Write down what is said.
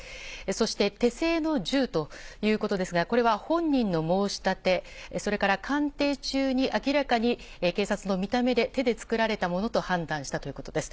そして手製の銃ということですが、これは本人の申し立て、それから鑑定中に、明らかに警察の見た目で手で作られたものと判断したということです。